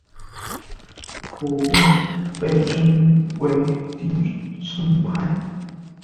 普遍被称为町村派。